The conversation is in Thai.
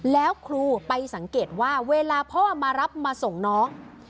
แล้วครูไปสังเกตว่าเวลาพ่อมารับมาส่งน้อง